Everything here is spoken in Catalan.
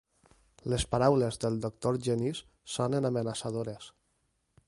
Les paraules del doctor Genís sonen amenaçadores.